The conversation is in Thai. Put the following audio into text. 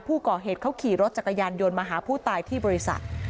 ผู้ก่อเหตุเขาขี่รถจักรยานยนต์มาหาผู้ตายที่บริษัท